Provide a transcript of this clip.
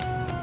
ya udah yuk